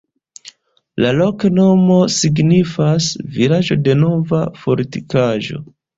La loknomo signifas: vilaĝo de nova fortikaĵo.